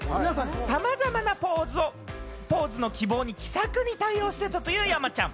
さまざまなポーズの希望に気さくに対応していたという山ちゃん。